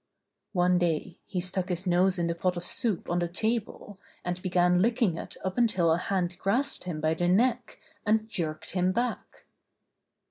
One day he stuck his nose in the pot of soup on the table and began licking it up until a hand grasped him by the neck, and jerked him back.